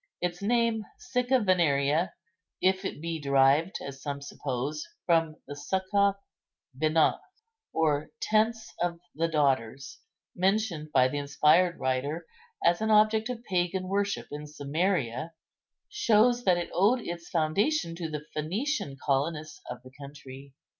Its name, Sicca Veneria, if it be derived (as some suppose) from the Succoth benoth, or "tents of the daughters," mentioned by the inspired writer as an object of pagan worship in Samaria, shows that it owed its foundation to the Phœnician colonists of the country.